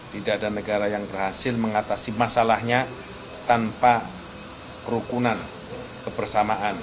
tidak ada negara yang berhasil mengatasi masalahnya tanpa kerukunan kebersamaan